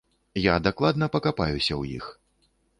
Я дакладна пакапаюся ў іх.